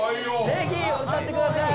ぜひ歌ってください。